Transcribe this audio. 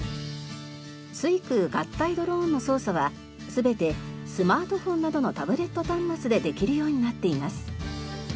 水空合体ドローンの操作は全てスマートフォンなどのタブレット端末でできるようになっています。